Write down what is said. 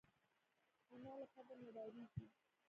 انا له قبر نه ډارېږي